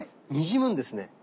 にじむんですね。